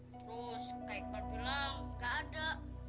hai pos scott berbilang ada